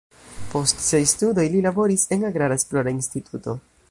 Post siaj studoj li laboris en agrara esplora instituto.